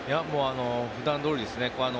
普段どおりですね。